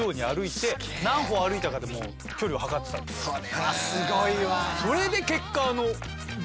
それはすごいわ。